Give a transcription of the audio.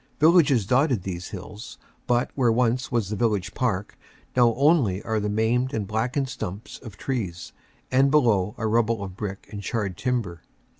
Villages dotted these hills, but where once was the village park, now only are the maimed and blackened stumps of trees and below a rubble of brick and charred timber.